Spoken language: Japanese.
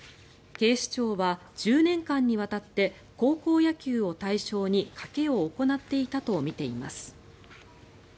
警視庁は１０年間にわたって高校野球を対象に賭けを行っていたとみています。